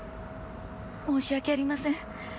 申し訳ありません。